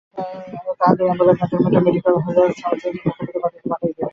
তাহাদের আম্বালায় cantonment medical hall, Shyamacharan মুখোপাধ্যায়ের বাটীতে পাঠাইবে।